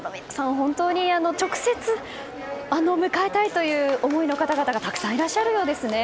本当に直接迎えたいという思いの方々がたくさんいらっしゃるようですね。